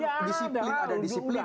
ada disiplin ya pak ars ada bangun pagi